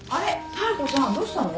妙子さんどうしたの？